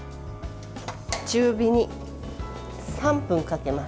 中火に３分かけます。